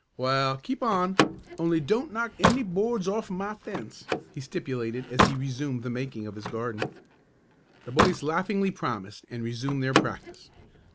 Wa'al, keep on, only don't knock any boards offen my fence," he stipulated as he resumed the making of his garden. The boys laughingly promised and resumed their practice.